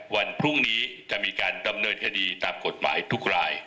วันพรุ่งนี้จะมีการดำเนินคดีตามกฎหมายทุกราย